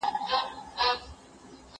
زه اوږده وخت د سبا لپاره د درسونو يادونه کوم.